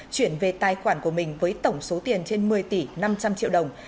chuyển về tài khoản của mình với tổng số tiền trên một mươi tỷ năm trăm linh triệu đồng